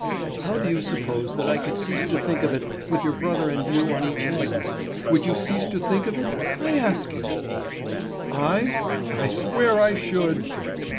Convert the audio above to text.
"How do you suppose that I could cease to think of it, with your brother and you on each hand? Would you cease to think of it, I ask you?" "I? I swear I should."